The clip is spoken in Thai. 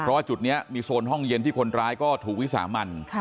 เพราะว่าจุดนี้มีโซนห้องเย็นที่คนร้ายก็ถูกวิสามัน